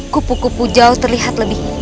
kupu kupu jauh terlihat lebih